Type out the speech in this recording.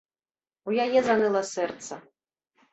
У яе заныла сэрца.